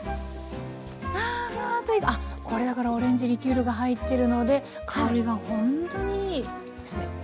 ああフワッとこれだからオレンジリキュールが入ってるので香りがほんとにいいですね。